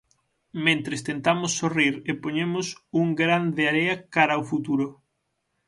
Mentres tentamos sorrir e poñemos un gran de area cara ó futuro.